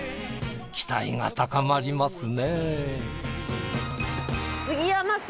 期待が高まりますね。